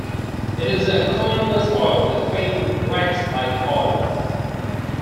It is a colorless oil with a faint wax-like odor.